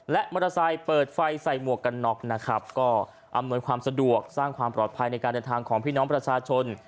และมัตรสายเปิดไฟใส่มวกกันเนาะก็อำนวยความสะดวกสร้างความปลอดภัยในการเนินทางของพี่น้องประชาชน